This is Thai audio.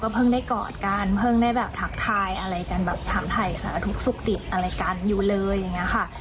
เพิ่งได้กอดกันเพิ่งได้แบบทักทายอะไรกันแบบถามถ่ายสารทุกข์สุขติดอะไรกันอยู่เลยอย่างนี้ค่ะ